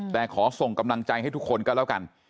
แต่ขอส่งกำลังใจให้ทุกคนก็แล้วกัน